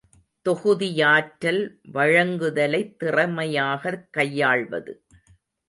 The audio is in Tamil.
தொகுதியாற்றல் வழங்குதலைத் திறமையாகக் கையாள்வது.